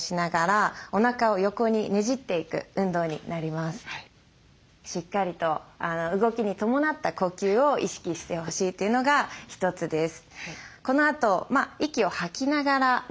まず１つ目はしっかりと動きに伴った呼吸を意識してほしいというのが一つです。